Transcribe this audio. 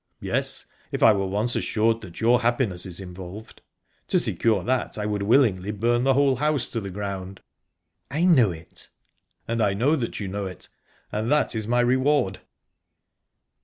"Yes; if I were once assured that your happiness is involved. To secure that, I would willingly burn the whole house to the ground." "I know it." "And I know that you know it; and that is my reward."